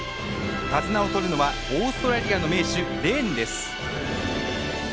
手綱をとるのはオーストラリアの名手レーンです。